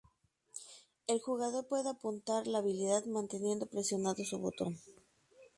El jugador puede apuntar la habilidad manteniendo presionado su botón.